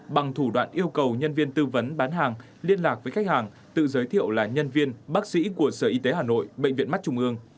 bằng thủ đoạn yêu cầu nhân viên tư vấn bán hàng liên lạc với khách hàng tự giới thiệu là nhân viên bác sĩ của sở y tế hà nội bệnh viện mắt trung ương